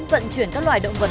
vận chuyển các loài động vật